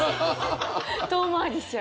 遠回りしちゃう。